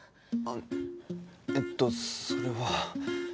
あのえっとそれは。